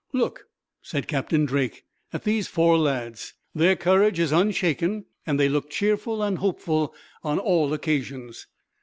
"Look," said Captain Drake, "at these four lads. Their courage is unshaken, and they look cheerful and hopeful on all occasions.